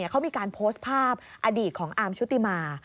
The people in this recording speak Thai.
เขามีการโพสต์ภาพอดีตของอาร์มชุติมา